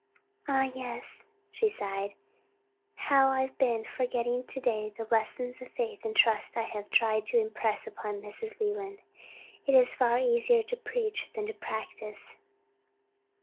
"Ah yes," she sighed, "how I have been forgetting to day the lessons of faith and trust I have tried to impress upon Mrs. Leland. It is far easier to preach than to practice."